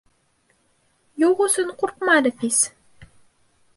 — Юҡ өсөн ҡурҡма, Рәфис...